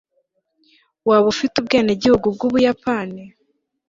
waba ufite ubwenegihugu bw'ubuyapani